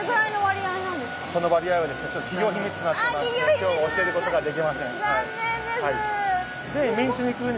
今日は教えることができません。